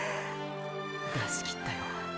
出し切ったよ。